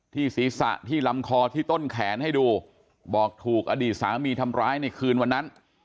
ศีรษะที่ลำคอที่ต้นแขนให้ดูบอกถูกอดีตสามีทำร้ายในคืนวันนั้น